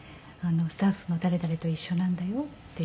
「スタッフの誰々と一緒なんだよ」って言って。